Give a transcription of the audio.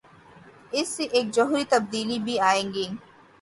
اس سے ایک جوہری تبدیلی بھی آئے گی۔